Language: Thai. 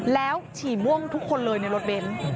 แล้วฉี่ม่วงทุกคนเลยในรถเบนท์